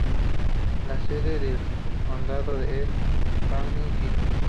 La sede del condado es Pawnee City.